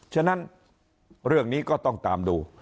ฉะนั้นเรื่องนี้ก็ต้องตามดู